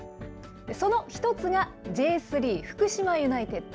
その一つがＪ３・福島ユナイテッド。